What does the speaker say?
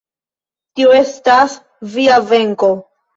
Tio estas via venko.